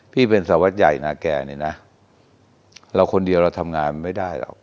พี่เป็นสาววัดใหญ่นาแก่เนี่ยนะเราคนเดียวเราทำงานไม่ได้หรอก